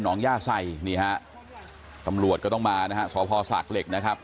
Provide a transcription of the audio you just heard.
นำย่าไสนี่ฮะตำรวจก็ต้องมาดะฮะ